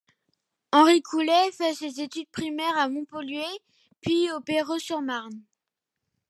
Henri Coulet fait ses études primaires à Montpellier puis au Perreux-sur-Marne.